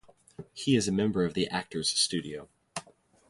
He is a member of the Actors Studio.